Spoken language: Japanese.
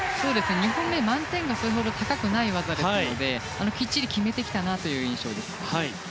２本目は満点がそれほど高くない技なのできっちり決めてきたなという印象です。